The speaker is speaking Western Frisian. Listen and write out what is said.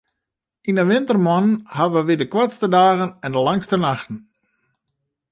Yn 'e wintermoannen hawwe wy de koartste dagen en de langste nachten.